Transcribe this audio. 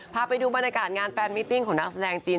พาไปดูบรรยากาศงานแฟนมิติ้งของนักแสดงจีน